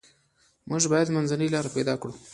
موږ باید منځنۍ لار پیدا کړو.